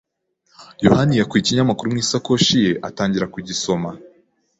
yohani yakuye ikinyamakuru mu isakoshi ye atangira kugisoma.